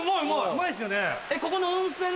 うまいっすよね。